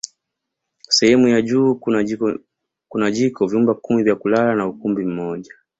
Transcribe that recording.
Sehemu ya juu kuna jiko vyumba kumi vya kulala na ukumbi mmoja